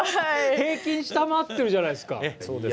平均、下回ってるじゃないでそうです。